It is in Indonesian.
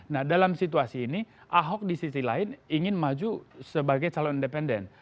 nah dalam situasi ini ahok di sisi lain ingin maju sebagai calon independen